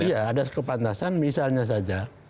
iya ada kepantasan misalnya saja